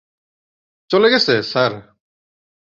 চলে গেছে, স্যার।